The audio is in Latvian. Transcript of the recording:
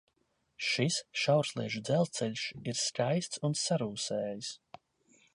Šis šaursliežu dzelzceļš ir skaists un sarūsējis.